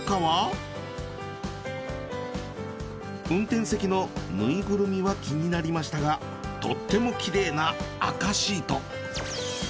運転席のぬいぐるみは気になりましたがとってもきれいな赤シート。